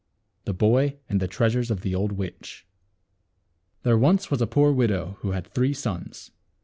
THE BOY AND THE TREASURES AM 1 / OF THE OLD WITCH. There was once a poor widow who had three sons.